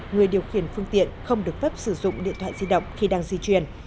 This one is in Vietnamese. người điều khiển phương tiện không được phép sử dụng điện thoại di động khi đang di chuyển